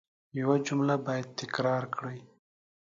یو جمله باید تکرار کړئ.